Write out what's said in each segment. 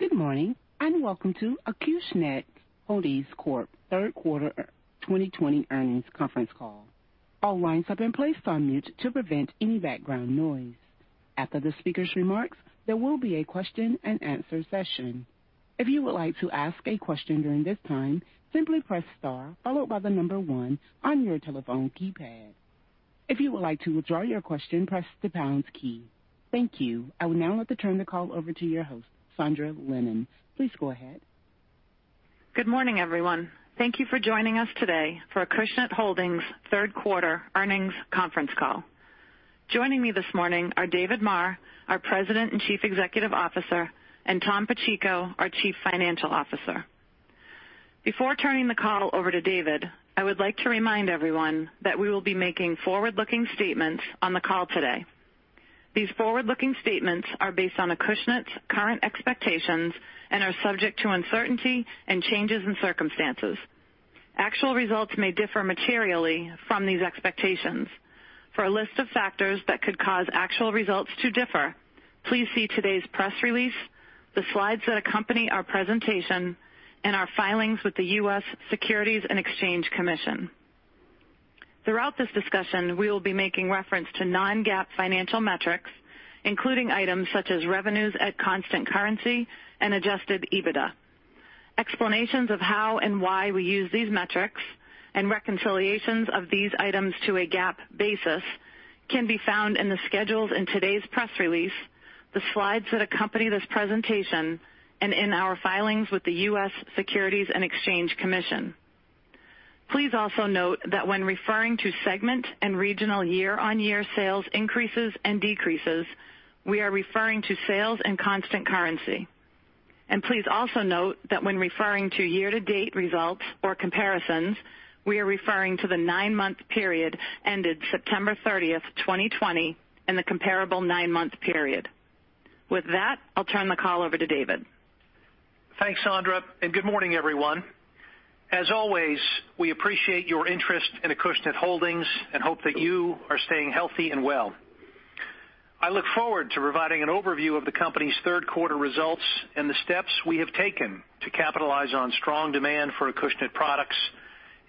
Good morning, and welcome to Acushnet Holdings Corp third quarter 2020 earnings conference call. All lines have been placed on mute to prevent any background noise. After the speakers' remarks, there will be a question and answer session. If you would like to ask a question during this time, simply press star, followed by the number one on your telephone keypad. If you would like to withdraw your question, press the pounds key. Thank you. I will now like to turn the call over to your host, Sondra Lennon. Please go ahead. Good morning, everyone. Thank you for joining us today for Acushnet Holdings third quarter earnings conference call. Joining me this morning are David Maher, our President and Chief Executive Officer, and Tom Pacheco, our Chief Financial Officer. Before turning the call over to David, I would like to remind everyone that we will be making forward-looking statements on the call today. These forward-looking statements are based on Acushnet's current expectations and are subject to uncertainty and changes in circumstances. Actual results may differ materially from these expectations. For a list of factors that could cause actual results to differ, please see today's press release, the slides that accompany our presentation, and our filings with the U.S. Securities and Exchange Commission. Throughout this discussion, we will be making reference to non-GAAP financial metrics, including items such as revenues at constant currency and Adjusted EBITDA. Explanations of how and why we use these metrics, and reconciliations of these items to a GAAP basis, can be found in the schedules in today's press release, the slides that accompany this presentation, and in our filings with the U.S. Securities and Exchange Commission. Please also note that when referring to segment and regional year-on-year sales increases and decreases, we are referring to sales in constant currency. Please also note that when referring to year-to-date results or comparisons, we are referring to the nine-month period ended September 30th, 2020, and the comparable nine-month period. With that, I'll turn the call over to David. Thanks, Sondra, good morning, everyone. As always, we appreciate your interest in Acushnet Holdings and hope that you are staying healthy and well. I look forward to providing an overview of the company's third quarter results and the steps we have taken to capitalize on strong demand for Acushnet products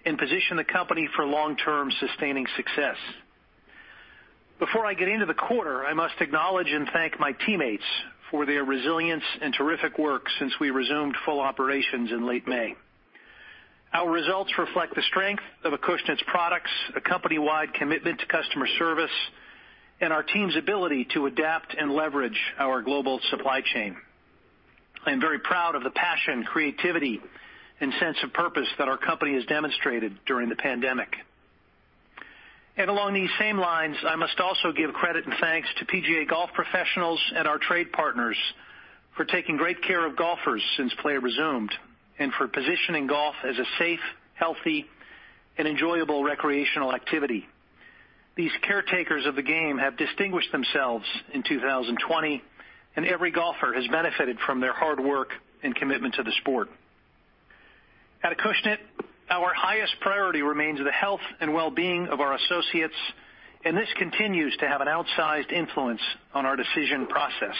and position the company for long-term sustaining success. Before I get into the quarter, I must acknowledge and thank my teammates for their resilience and terrific work since we resumed full operations in late May. Our results reflect the strength of Acushnet's products, a company-wide commitment to customer service, and our team's ability to adapt and leverage our global supply chain. I am very proud of the passion, creativity, and sense of purpose that our company has demonstrated during the pandemic. Along these same lines, I must also give credit and thanks to PGA Golf Professionals and our trade partners for taking great care of golfers since play resumed, and for positioning golf as a safe, healthy, and enjoyable recreational activity. These caretakers of the game have distinguished themselves in 2020, and every golfer has benefited from their hard work and commitment to the sport. At Acushnet, our highest priority remains the health and wellbeing of our associates, and this continues to have an outsized influence on our decision process.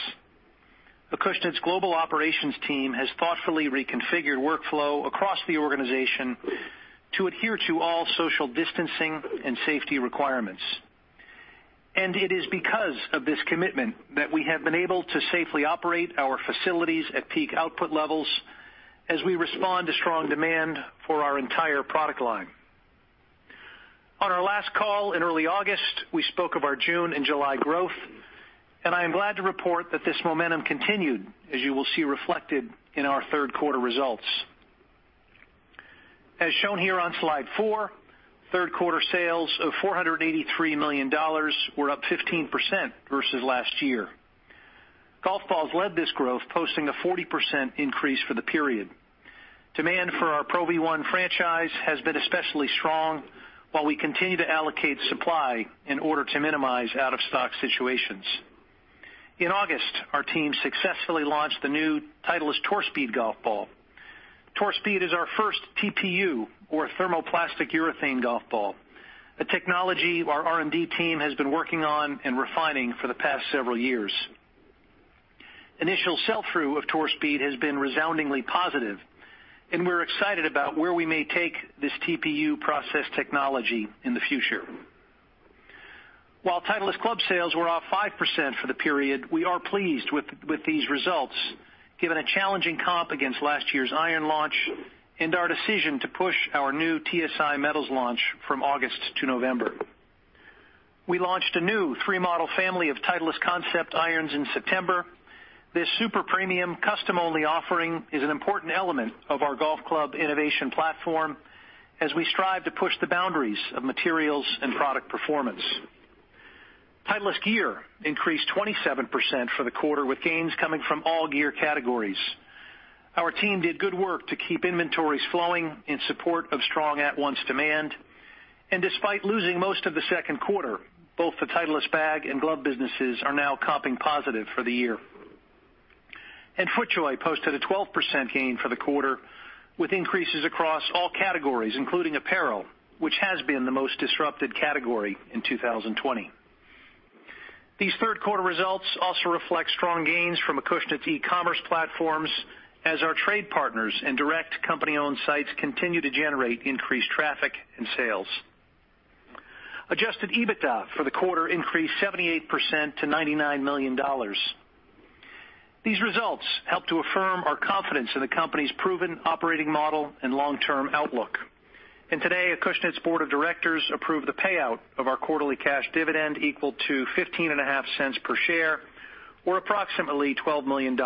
Acushnet's global operations team has thoughtfully reconfigured workflow across the organization to adhere to all social distancing and safety requirements. It is because of this commitment that we have been able to safely operate our facilities at peak output levels as we respond to strong demand for our entire product line. On our last call in early August, we spoke of our June and July growth, and I am glad to report that this momentum continued, as you will see reflected in our third quarter results. As shown here on slide four, third quarter sales of $483 million were up 15% versus last year. Golf balls led this growth, posting a 40% increase for the period. Demand for our Pro V1 franchise has been especially strong, while we continue to allocate supply in order to minimize out-of-stock situations. In August, our team successfully launched the new Titleist Tour Speed golf ball. Tour Speed is our first TPU, or thermoplastic urethane golf ball, a technology our R&D team has been working on and refining for the past several years. Initial sell-through of Tour Speed has been resoundingly positive, and we're excited about where we may take this TPU process technology in the future. While Titleist club sales were off 5% for the period, we are pleased with these results, given a challenging comp against last year's iron launch and our decision to push our new TSi metals launch from August to November. We launched a new three-model family of Titleist CNCPT irons in September. This super premium custom-only offering is an important element of our golf club innovation platform as we strive to push the boundaries of materials and product performance. Titleist gear increased 27% for the quarter, with gains coming from all gear categories. Our team did good work to keep inventories flowing in support of strong at-once demand. Despite losing most of the second quarter, both the Titleist bag and glove businesses are now comping positive for the year. FootJoy posted a 12% gain for the quarter, with increases across all categories, including apparel, which has been the most disrupted category in 2020. These third quarter results also reflect strong gains from Acushnet's e-commerce platforms, as our trade partners and direct company-owned sites continue to generate increased traffic and sales. Adjusted EBITDA for the quarter increased 78% to $99 million. These results help to affirm our confidence in the company's proven operating model and long-term outlook. Today, Acushnet's Board of Directors approved the payout of our quarterly cash dividend equal to $0.155/share or approximately $12 million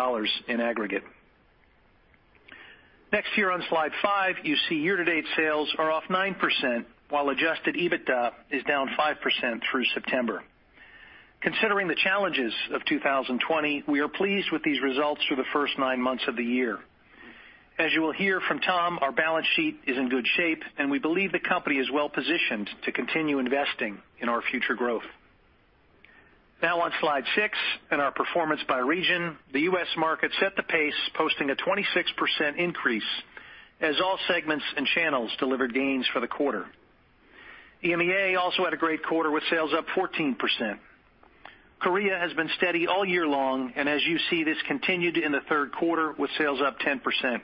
in aggregate. Next, here on slide five, you see year-to-date sales are off 9%, while Adjusted EBITDA is down 5% through September. Considering the challenges of 2020, we are pleased with these results through the first nine months of the year. As you will hear from Tom, our balance sheet is in good shape, and we believe the company is well-positioned to continue investing in our future growth. Now on slide six in our performance by region, the U.S. market set the pace, posting a 26% increase as all segments and channels delivered gains for the quarter. EMEA also had a great quarter with sales up 14%. Korea has been steady all year long, and as you see, this continued in the third quarter with sales up 10%.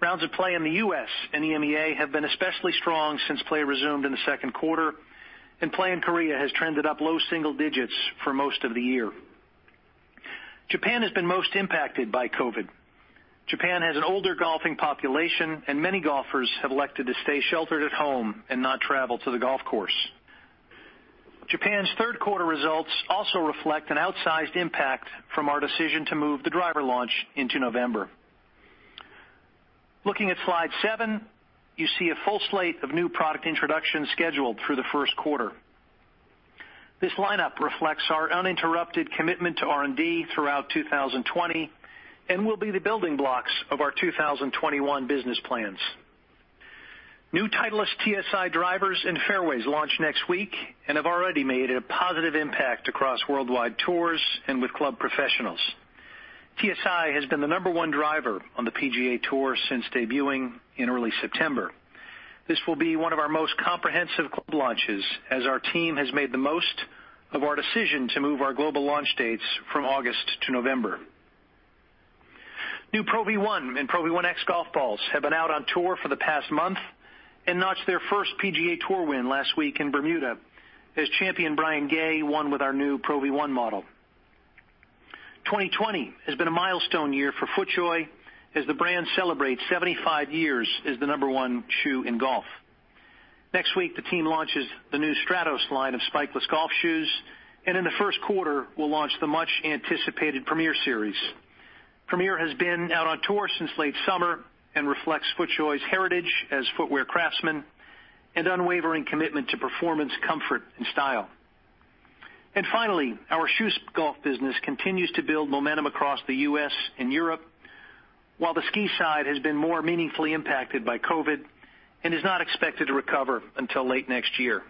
Rounds of play in the U.S. and EMEA have been especially strong since play resumed in the second quarter, and play in Korea has trended up low single digits for most of the year. Japan has been most impacted by COVID. Japan has an older golfing population, and many golfers have elected to stay sheltered at home and not travel to the golf course. Japan's third quarter results also reflect an outsized impact from our decision to move the driver launch into November. Looking at slide seven, you see a full slate of new product introductions scheduled through the first quarter. This lineup reflects our uninterrupted commitment to R&D throughout 2020 and will be the building blocks of our 2021 business plans. New Titleist TSi drivers and fairways launch next week and have already made a positive impact across worldwide tours and with club professionals. TSi has been the number one driver on the PGA TOUR since debuting in early September. This will be one of our most comprehensive club launches, as our team has made the most of our decision to move our global launch dates from August to November. New Pro V1 and Pro V1x golf balls have been out on tour for the past month and notched their first PGA TOUR win last week in Bermuda, as champion Brian Gay won with our new Pro V1 model. 2020 has been a milestone year for FootJoy as the brand celebrates 75 years as the number one shoe in golf. Next week, the team launches the new Stratos line of spikeless golf shoes, and in the first quarter, will launch the much-anticipated Premiere Series. Premiere has been out on tour since late summer and reflects FootJoy's heritage as footwear craftsmen and unwavering commitment to performance, comfort, and style. Finally, our KJUS golf business continues to build momentum across the U.S. and Europe, while the ski side has been more meaningfully impacted by COVID and is not expected to recover until late next year.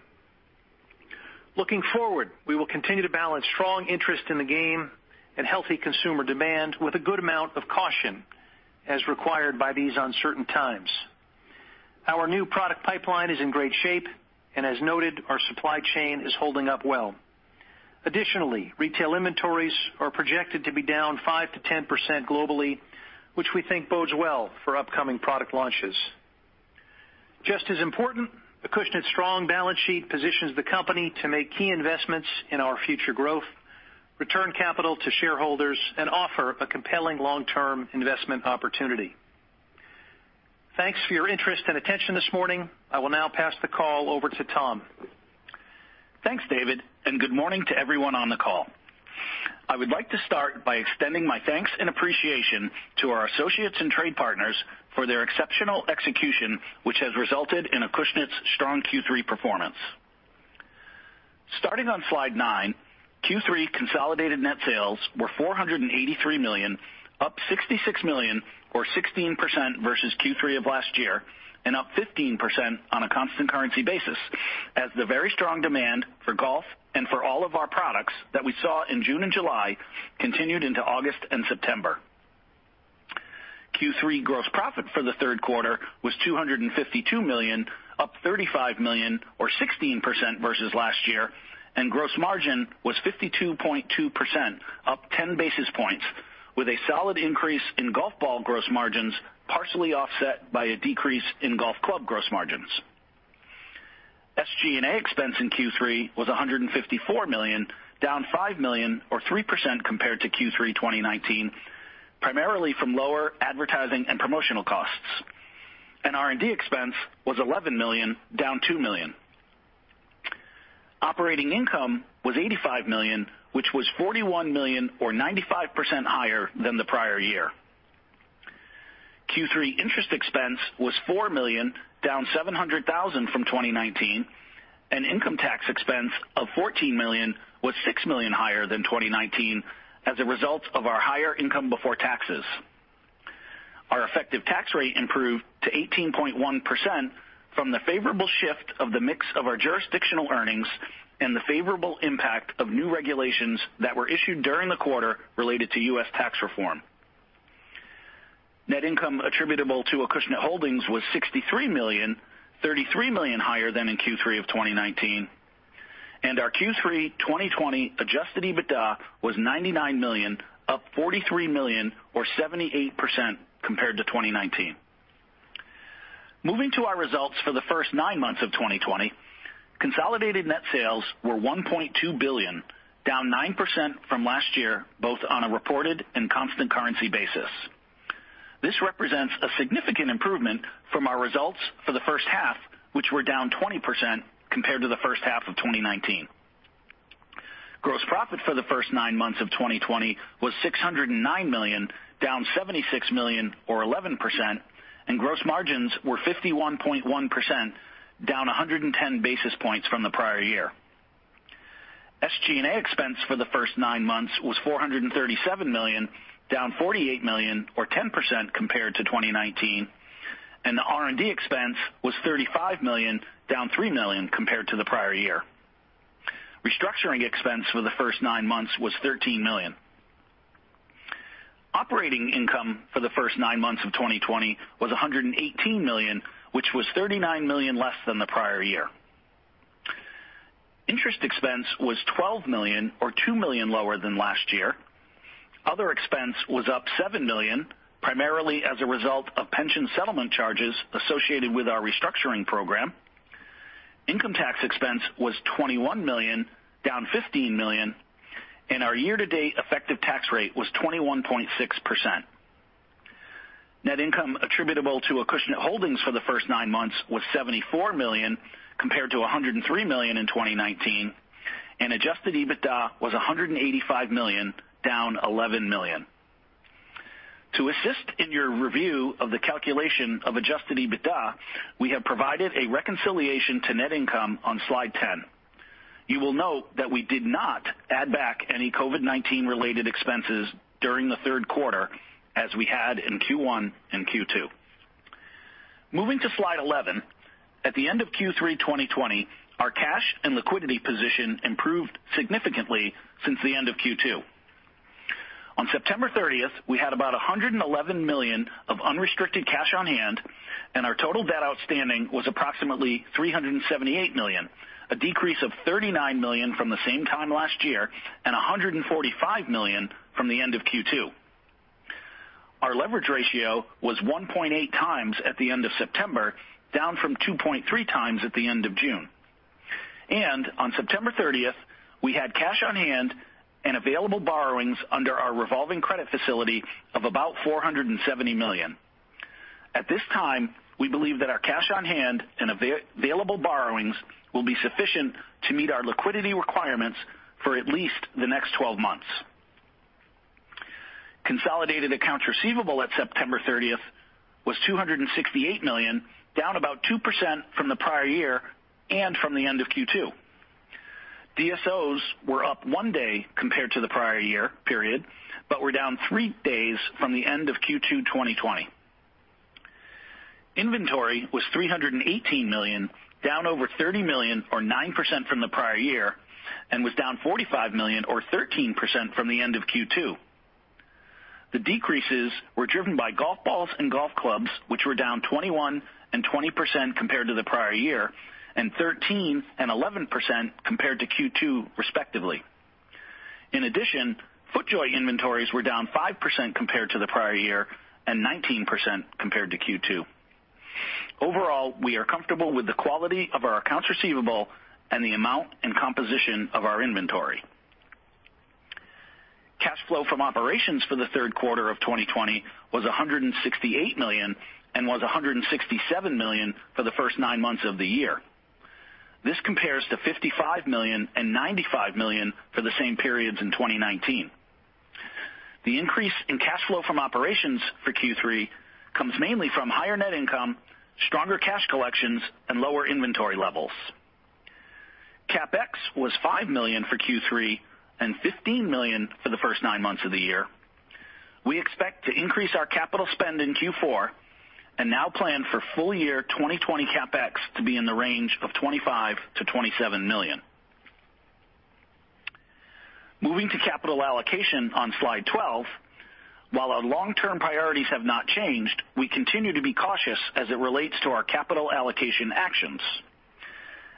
Looking forward, we will continue to balance strong interest in the game and healthy consumer demand with a good amount of caution as required by these uncertain times. Our new product pipeline is in great shape, and as noted, our supply chain is holding up well. Additionally, retail inventories are projected to be down 5%-10% globally, which we think bodes well for upcoming product launches. Just as important, Acushnet's strong balance sheet positions the company to make key investments in our future growth, return capital to shareholders, and offer a compelling long-term investment opportunity. Thanks for your interest and attention this morning. I will now pass the call over to Tom. Thanks, David. Good morning to everyone on the call. I would like to start by extending my thanks and appreciation to our associates and trade partners for their exceptional execution, which has resulted in Acushnet's strong Q3 performance. Starting on slide nine, Q3 consolidated net sales were $483 million, up $66 million or 16% versus Q3 of last year, up 15% on a constant currency basis as the very strong demand for golf and for all of our products that we saw in June and July continued into August and September. Q3 gross profit for the third quarter was $252 million, up $35 million or 16% versus last year. Gross margin was 52.2%, up 10 basis points, with a solid increase in golf ball gross margins, partially offset by a decrease in golf club gross margins. SG&A expense in Q3 was $154 million, down $5 million or 3% compared to Q3 2019, primarily from lower advertising and promotional costs. R&D expense was $11 million, down $2 million. Operating income was $85 million, which was $41 million or 95% higher than the prior year. Q3 interest expense was $4 million, down $700,000 from 2019, and income tax expense of $14 million was $6 million higher than 2019 as a result of our higher income before taxes. Our effective tax rate improved to 18.1% from the favorable shift of the mix of our jurisdictional earnings and the favorable impact of new regulations that were issued during the quarter related to U.S. tax reform. Net income attributable to Acushnet Holdings was $63 million, $33 million higher than in Q3 of 2019. Our Q3 2020 adjusted EBITDA was $99 million, up $43 million or 78% compared to 2019. Moving to our results for the first nine months of 2020, consolidated net sales were $1.2 billion, down 9% from last year, both on a reported and constant currency basis. This represents a significant improvement from our results for the first half, which were down 20% compared to the first half of 2019. Gross profit for the first nine months of 2020 was $609 million, down $76 million or 11%, and gross margins were 51.1%, down 110 basis points from the prior year. SG&A expense for the first nine months was $437 million, down $48 million or 10% compared to 2019, and the R&D expense was $35 million, down $3 million compared to the prior year. Restructuring expense for the first nine months was $13 million. Operating income for the first nine months of 2020 was $118 million, which was $39 million less than the prior year. Interest expense was $12 million or $2 million lower than last year. Other expense was up $7 million, primarily as a result of pension settlement charges associated with our restructuring program. Income tax expense was $21 million, down $15 million, and our year-to-date effective tax rate was 21.6%. Net income attributable to Acushnet Holdings for the first nine months was $74 million, compared to $103 million in 2019, and Adjusted EBITDA was $185 million, down $11 million. To assist in your review of the calculation of Adjusted EBITDA, we have provided a reconciliation to net income on slide 10. You will note that we did not add back any COVID-19 related expenses during the third quarter as we had in Q1 and Q2. Moving to slide 11. At the end of Q3 2020, our cash and liquidity position improved significantly since the end of Q2. On September 30th, we had about $111 million of unrestricted cash on hand, and our total debt outstanding was approximately $378 million, a decrease of $39 million from the same time last year, and $145 million from the end of Q2. Our leverage ratio was 1.8x at the end of September, down from 2.3x at the end of June. On September 30th, we had cash on hand and available borrowings under our revolving credit facility of about $470 million. At this time, we believe that our cash on hand and available borrowings will be sufficient to meet our liquidity requirements for at least the next 12 months. Consolidated accounts receivable at September 30th was $268 million, down about 2% from the prior year and from the end of Q2. DSOs were up one day compared to the prior year period, but were down three days from the end of Q2 2020. Inventory was $318 million, down over $30 million or 9% from the prior year, and was down $45 million or 13% from the end of Q2. The decreases were driven by golf balls and golf clubs, which were down 21% and 20% compared to the prior year, and 13% and 11% compared to Q2, respectively. In addition, FootJoy inventories were down 5% compared to the prior year and 19% compared to Q2. Overall, we are comfortable with the quality of our accounts receivable and the amount and composition of our inventory. Cash flow from operations for the third quarter of 2020 was $168 million and was $167 million for the first nine months of the year. This compares to $55 million and $95 million for the same periods in 2019. The increase in cash flow from operations for Q3 comes mainly from higher net income, stronger cash collections, and lower inventory levels. CapEx was $5 million for Q3 and $15 million for the first nine months of the year. We expect to increase our capital spend in Q4 and now plan for full year 2020 CapEx to be in the range of $25 million-$27 million. Moving to capital allocation on slide 12. While our long-term priorities have not changed, we continue to be cautious as it relates to our capital allocation actions.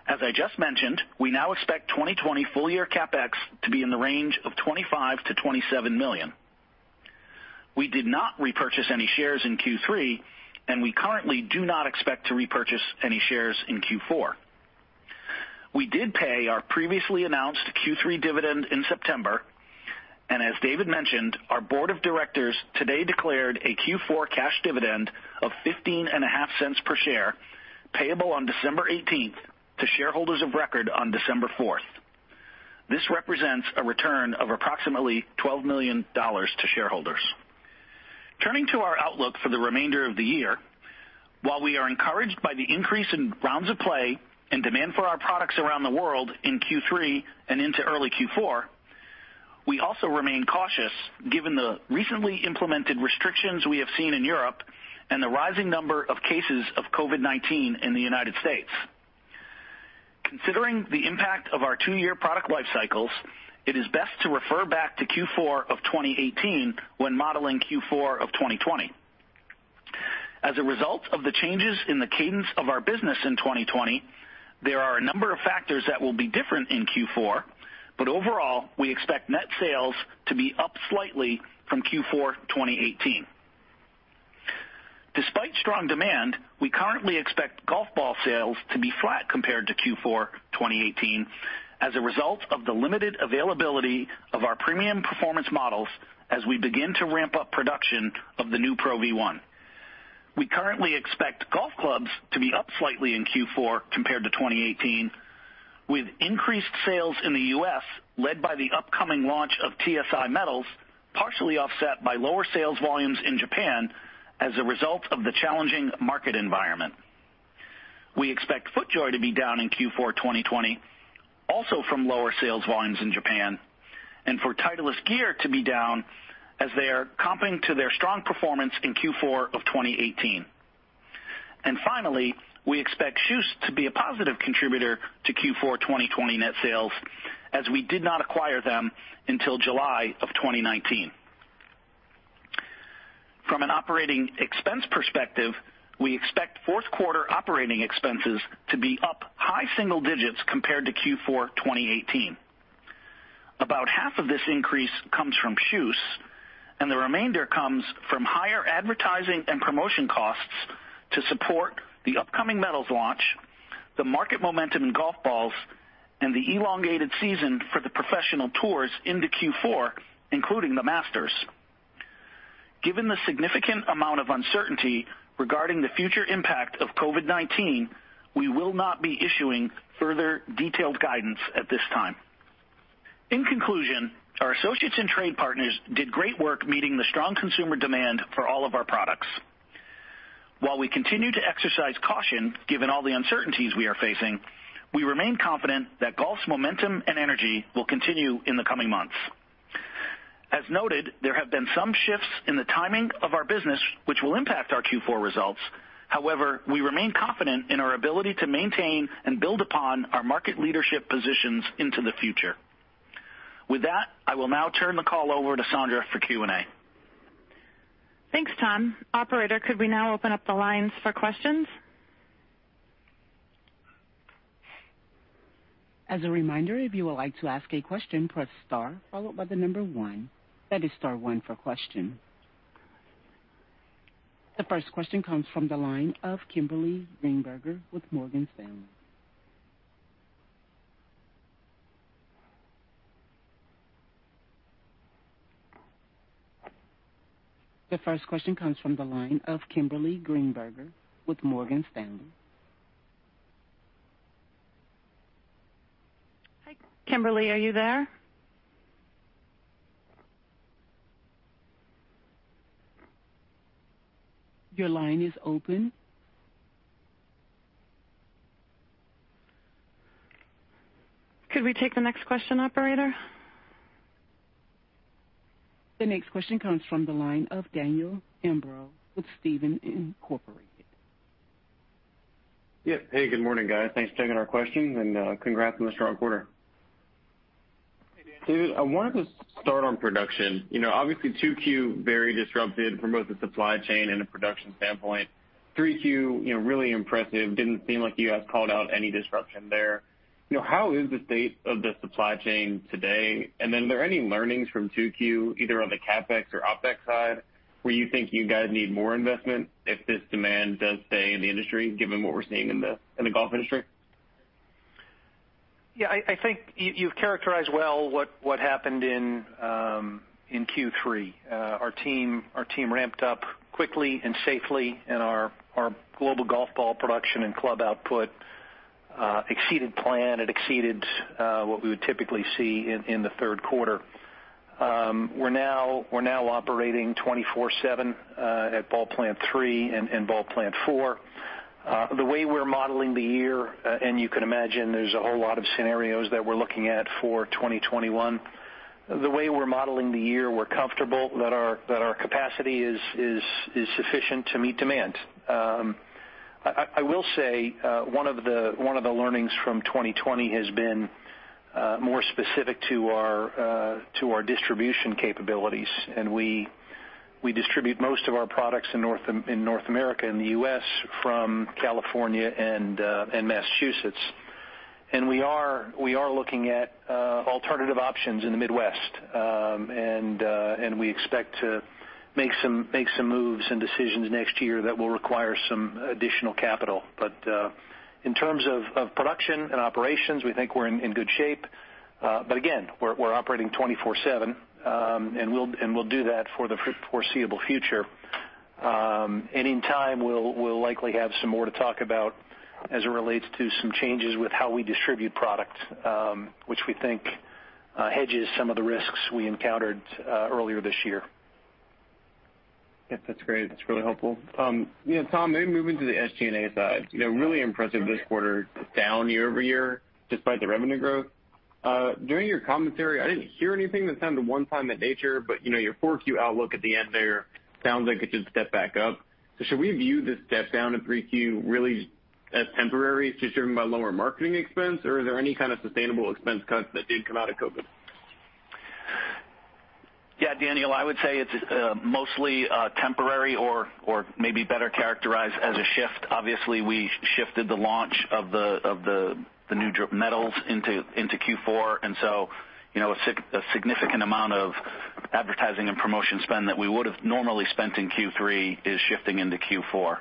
As I just mentioned, we now expect 2020 full year CapEx to be in the range of $25 million-$27 million. We did not repurchase any shares in Q3, and we currently do not expect to repurchase any shares in Q4. We did pay our previously announced Q3 dividend in September, and as David mentioned, our Board of Directors today declared a Q4 cash dividend of $0.155/share, payable on December 18th to shareholders of record on December 4th. This represents a return of approximately $12 million to shareholders. Turning to our outlook for the remainder of the year. While we are encouraged by the increase in rounds of play and demand for our products around the world in Q3 and into early Q4, we also remain cautious given the recently implemented restrictions we have seen in Europe and the rising number of cases of COVID-19 in the United States. Considering the impact of our two-year product life cycles, it is best to refer back to Q4 of 2018 when modelling Q4 of 2020. As a result of the changes in the cadence of our business in 2020, there are a number of factors that will be different in Q4, but overall, we expect net sales to be up slightly from Q4 2018. Despite strong demand, we currently expect golf ball sales to be flat compared to Q4 2018, as a result of the limited availability of our premium performance models as we begin to ramp up production of the new Pro V1. We currently expect golf clubs to be up slightly in Q4 compared to 2018, with increased sales in the U.S. led by the upcoming launch of TSi metals, partially offset by lower sales volumes in Japan as a result of the challenging market environment. We expect FootJoy to be down in Q4 2020, also from lower sales volumes in Japan, and for Titleist gear to be down as they are comping to their strong performance in Q4 of 2018. Finally, we expect KJUS to be a positive contributor to Q4 2020 net sales, as we did not acquire them until July of 2019. From an operating expense perspective, we expect fourth quarter operating expenses to be up high single digits compared to Q4 2018. About half of this increase comes from KJUS, the remainder comes from higher advertising and promotion costs to support the upcoming metals launch, the market momentum in golf balls, and the elongated season for the professional tours into Q4, including the Masters. Given the significant amount of uncertainty regarding the future impact of COVID-19, we will not be issuing further detailed guidance at this time. In conclusion, our associates and trade partners did great work meeting the strong consumer demand for all of our products. While we continue to exercise caution, given all the uncertainties we are facing, we remain confident that golf's momentum and energy will continue in the coming months. As noted, there have been some shifts in the timing of our business, which will impact our Q4 results. However, we remain confident in our ability to maintain and build upon our market leadership positions into the future. With that, I will now turn the call over to Sondra for Q&A. Thanks, Tom. Operator, could we now open up the lines for questions? As a reminder, if you would like to ask a question, press star followed by the number one. That is star one for question. The first question comes from the line of Kimberly Greenberger with Morgan Stanley. The first question comes from the line of Kimberly Greenberger with Morgan Stanley. Hi, Kimberly. Are you there? Your line is open. Could we take the next question, Operator? The next question comes from the line of Daniel Imbro with Stephens Incorporated. Yep. Hey, good morning, guys. Thanks for taking our questions, and congrats on the strong quarter. Hey, Daniel. I wanted to start on production. Obviously 2Q very disrupted from both the supply chain and the production standpoint. 3Q, really impressive. Didn't seem like you guys called out any disruption there. How is the state of the supply chain today? Are there any learnings from 2Q, either on the CapEx or OpEx side, where you think you guys need more investment if this demand does stay in the industry, given what we're seeing in the golf industry? Yeah, I think you've characterized well what happened in Q3. Our team ramped up quickly and safely, and our global golf ball production and club output exceeded plan. It exceeded what we would typically see in the third quarter. We're now operating 24/7 at Ball Plant 3 and Ball Plant 4. The way we're modeling the year, and you can imagine there's a whole lot of scenarios that we're looking at for 2021. The way we're modeling the year, we're comfortable that our capacity is sufficient to meet demand. I will say one of the learnings from 2020 has been more specific to our distribution capabilities. We distribute most of our products in North America, in the U.S. from California and Massachusetts. We are looking at alternative options in the Midwest. We expect to make some moves and decisions next year that will require some additional capital. In terms of production and operations, we think we're in good shape. Again, we're operating 24/7, and we'll do that for the foreseeable future. In time, we'll likely have some more to talk about as it relates to some changes with how we distribute product, which we think hedges some of the risks we encountered earlier this year. Yep. That's great. That's really helpful. Tom, maybe moving to the SG&A side, really impressive this quarter, down year-over-year despite the revenue growth. During your commentary, I didn't hear anything that sounded one-time in nature, but your 4Q outlook at the end there sounds like it should step back up. Should we view this step down in 3Q really as temporary, just driven by lower marketing expense? Is there any kind of sustainable expense cuts that did come out of COVID? Yeah, Daniel, I would say it's mostly temporary or maybe better characterized as a shift. Obviously, we shifted the launch of the new [drip] metals into Q4, and so a significant amount of advertising and promotion spend that we would have normally spent in Q3 is shifting into Q4.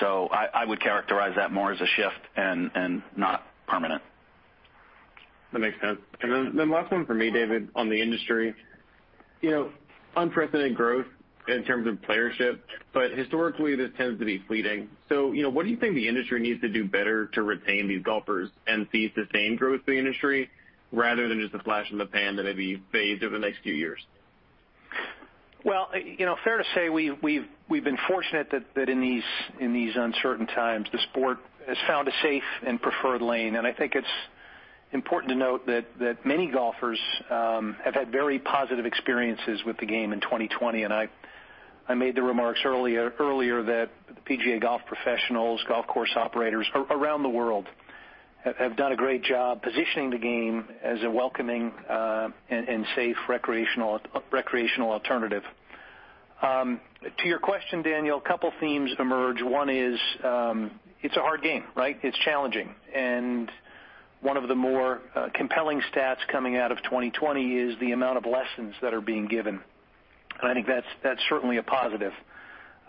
I would characterize that more as a shift and not permanent. That makes sense. Last one from me, David, on the industry. Unprecedented growth in terms of playership, but historically, this tends to be fleeting. What do you think the industry needs to do better to retain these golfers and see sustained growth in the industry rather than just a flash in the pan that maybe you fade over the next few years? Well, fair to say, we've been fortunate that in these uncertain times, the sport has found a safe and preferred lane, and I think it's important to note that many golfers have had very positive experiences with the game in 2020, and I made the remarks earlier that the PGA Golf Professionals, golf course operators around the world have done a great job positioning the game as a welcoming and safe recreational alternative. To your question, Daniel, a couple themes emerge. One is, it's a hard game, right? It's challenging. One of the more compelling stats coming out of 2020 is the amount of lessons that are being given. I think that's certainly a positive.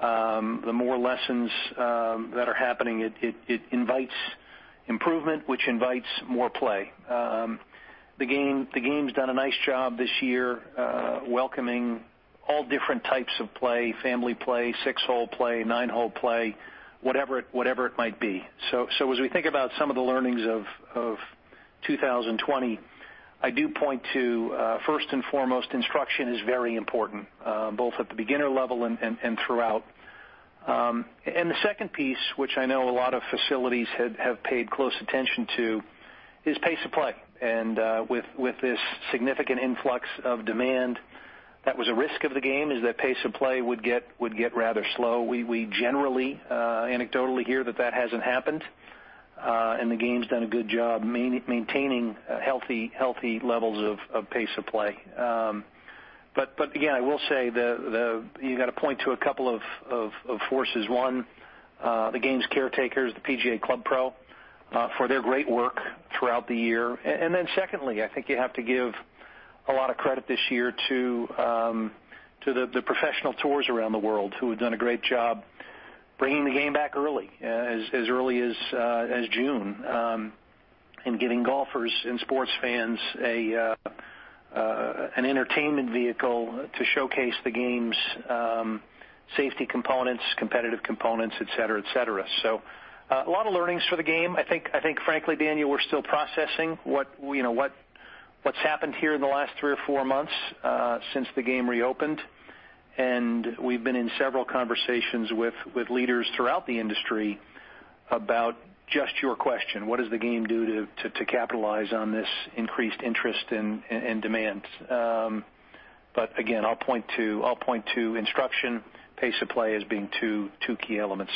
The more lessons that are happening, it invites improvement, which invites more play. The game's done a nice job this year welcoming all different types of play, family play, six-hole play, nine-hole play, whatever it might be. As we think about some of the learnings of 2020, I do point to, first and foremost, instruction is very important, both at the beginner level and throughout. The second piece, which I know a lot of facilities have paid close attention to, is pace of play. With this significant influx of demand, that was a risk of the game, is that pace of play would get rather slow. We generally anecdotally hear that that hasn't happened. The game's done a good job maintaining healthy levels of pace of play. Again, I will say, you got to point to a couple of forces. One, the game's caretakers, the PGA Club Pro, for their great work throughout the year. Secondly, I think you have to give a lot of credit this year to the professional tours around the world who have done a great job bringing the game back early, as early as June, and giving golfers and sports fans an entertainment vehicle to showcase the game's safety components, competitive components, et cetera. A lot of learnings for the game. I think frankly, Daniel, we're still processing what's happened here in the last three or four months, since the game reopened, and we've been in several conversations with leaders throughout the industry about just your question, what does the game do to capitalize on this increased interest and demand? Again, I'll point to instruction, pace of play as being two key elements.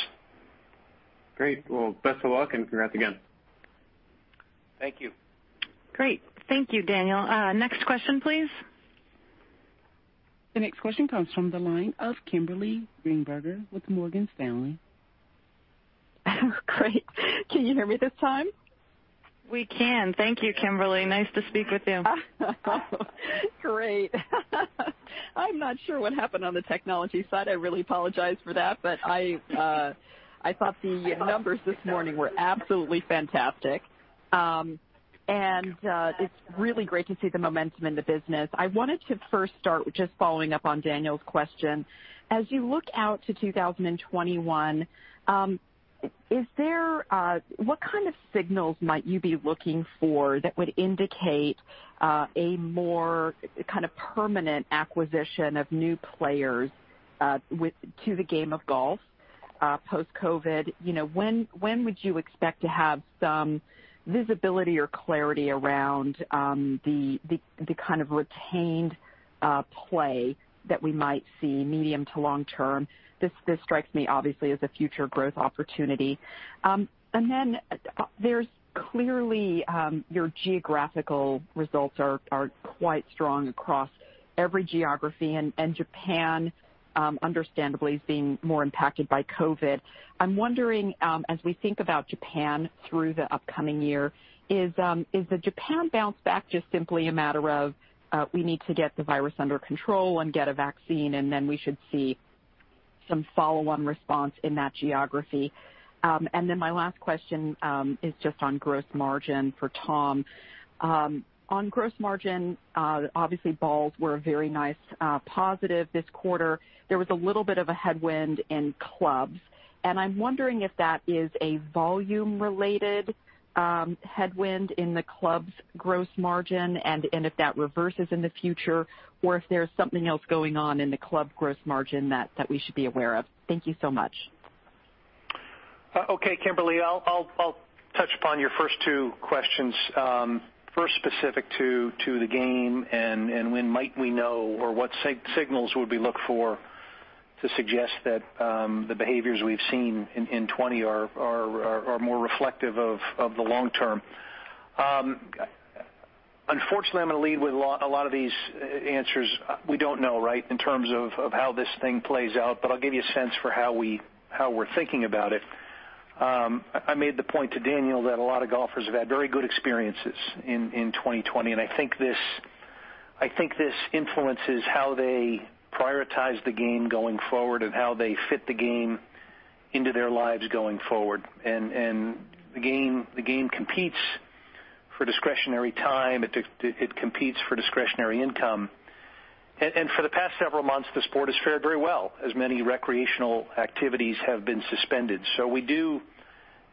Great. Well, best of luck, and congrats again. Thank you. Great. Thank you, Daniel. Next question, please. The next question comes from the line of Kimberly Greenberger with Morgan Stanley. Great. Can you hear me this time? We can. Thank you, Kimberly. Nice to speak with you. Great. I'm not sure what happened on the technology side. I really apologize for that, but I thought the numbers this morning were absolutely fantastic. It's really great to see the momentum in the business. I wanted to first start with just following up on Daniel's question. As you look out to 2021, what kind of signals might you be looking for that would indicate a more permanent acquisition of new players to the game of golf post-COVID? When would you expect to have some visibility or clarity around the kind of retained play that we might see medium to long term? This strikes me, obviously, as a future growth opportunity. Then there's clearly your geographical results are quite strong across every geography, and Japan, understandably, is being more impacted by COVID. I'm wondering, as we think about Japan through the upcoming year, is the Japan bounce back just simply a matter of we need to get the virus under control and get a vaccine, and then we should see some follow-on response in that geography? My last question is just on gross margin for Tom. On gross margin, obviously balls were a very nice positive this quarter. There was a little bit of a headwind in clubs, and I'm wondering if that is a volume-related headwind in the club's gross margin, and if that reverses in the future, or if there's something else going on in the club gross margin that we should be aware of? Thank you so much. Kimberly, I'll touch upon your first two questions. Specific to the game and when might we know, or what signals would we look for to suggest that the behaviors we've seen in 2020 are more reflective of the long term. Unfortunately, I'm going to lead with a lot of these answers. We don't know, right? In terms of how this thing plays out, I'll give you a sense for how we're thinking about it. I made the point to Daniel that a lot of golfers have had very good experiences in 2020, I think this influences how they prioritize the game going forward and how they fit the game into their lives going forward. The game competes for discretionary time. It competes for discretionary income. For the past several months, the sport has fared very well, as many recreational activities have been suspended. We do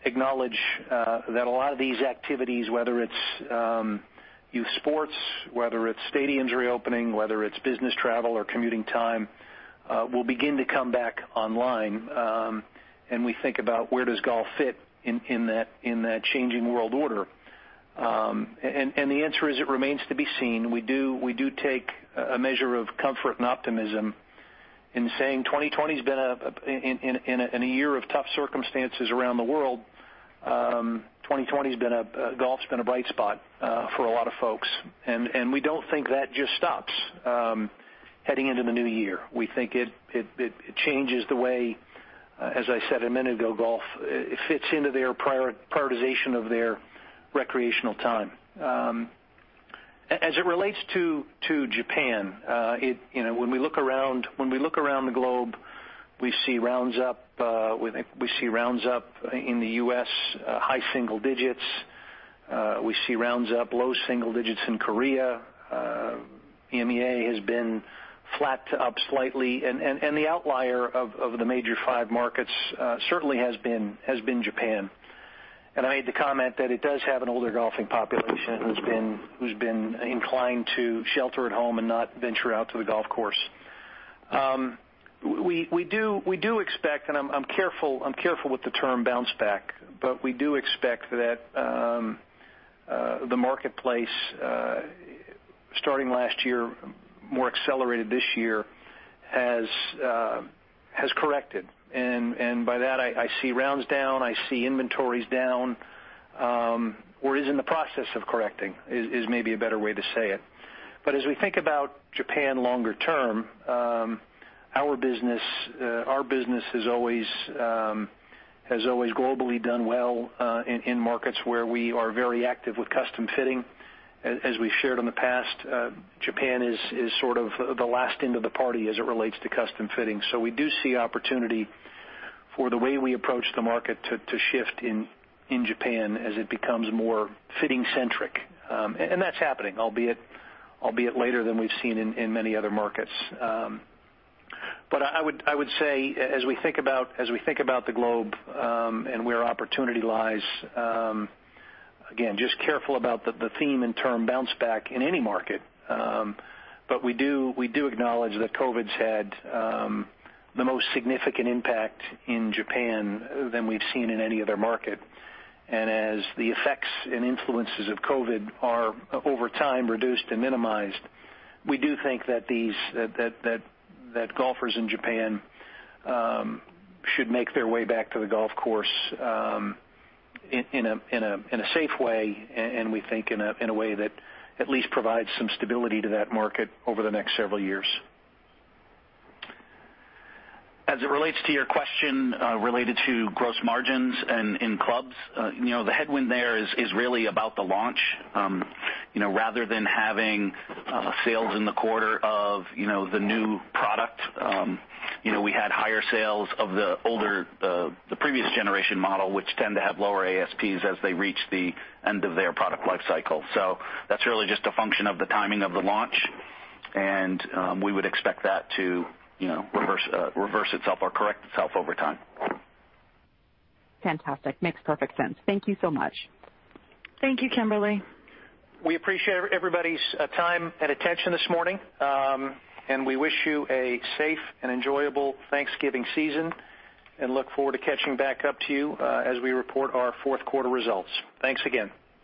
acknowledge that a lot of these activities, whether it's youth sports, whether it's stadiums reopening, whether it's business travel or commuting time, will begin to come back online, and we think about where does golf fit in that changing world order. The answer is, it remains to be seen. We do take a measure of comfort and optimism in saying 2020 has been a year of tough circumstances around the world. Golf's been a bright spot for a lot of folks, and we don't think that just stops heading into the new year. We think it changes the way, as I said a minute ago, golf fits into their prioritization of their recreational time. As it relates to Japan, when we look around the globe, we see rounds up in the U.S., high single digits. We see rounds up low single digits in Korea. EMEA has been flat to up slightly. The outlier of the major five markets certainly has been Japan. I made the comment that it does have an older golfing population who's been inclined to shelter at home and not venture out to the golf course. We do expect, I'm careful with the term bounce back, we do expect that the marketplace, starting last year, more accelerated this year, has corrected. By that, I see rounds down, I see inventories down, or is in the process of correcting, is maybe a better way to say it. As we think about Japan longer term, our business has always globally done well in markets where we are very active with custom fitting. As we've shared in the past, Japan is sort of the last end of the party as it relates to custom fitting. We do see opportunity for the way we approach the market to shift in Japan as it becomes more fitting centric. That's happening, albeit later than we've seen in many other markets. I would say, as we think about the globe, and where opportunity lies, again, just careful about the theme and term bounce back in any market. We do acknowledge that COVID's had the most significant impact in Japan than we've seen in any other market. As the effects and influences of COVID are, over time, reduced and minimized, we do think that golfers in Japan should make their way back to the golf course in a safe way, and we think in a way that at least provides some stability to that market over the next several years. As it relates to your question related to gross margins and in clubs, the headwind there is really about the launch. Rather than having sales in the quarter of the new product, we had higher sales of the previous generation model, which tend to have lower ASPs as they reach the end of their product life cycle. That's really just a function of the timing of the launch, and we would expect that to reverse itself or correct itself over time. Fantastic. Makes perfect sense. Thank you so much. Thank you, Kimberly. We appreciate everybody's time and attention this morning, and we wish you a safe and enjoyable Thanksgiving season and look forward to catching back up to you as we report our fourth quarter results. Thanks again.